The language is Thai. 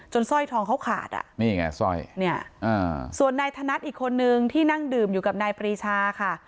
สร้อยทองเขาขาดอ่ะนี่ไงสร้อยเนี่ยส่วนนายธนัดอีกคนนึงที่นั่งดื่มอยู่กับนายปรีชาค่ะ